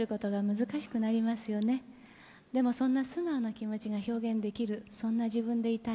でもそんな素直な気持ちが表現できるそんな自分でいたい。